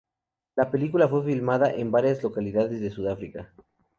La película fue filmada en varias localidades en Sudáfrica.